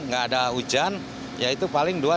nggak ada hujan